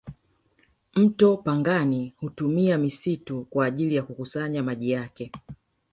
mto pangani hutumia misitu kwa ajili ya kukusanya maji yake